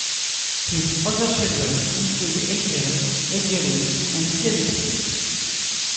His other children include Aegiale, Aegialeus, and Cyanippus.